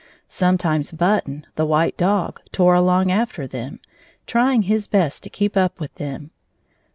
Sometimes Button, the white dog, tore along after them, trying his best to keep up with them.